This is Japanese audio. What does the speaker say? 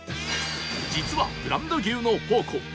実はブランド牛の宝庫